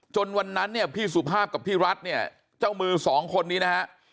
จนวันนั้นพี่สุภาพกับพี่รัฐเจ้ามือสองคนนี้นะฮะ